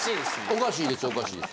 おかしいですおかしいです。